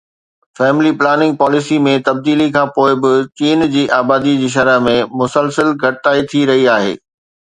family planning policy ۾ تبديلي کان پوءِ به چين جي آبادي جي شرح ۾ مسلسل گهٽتائي ٿي رهي آهي